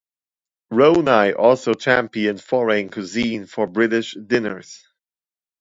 Ronay also championed foreign cuisine for British diners.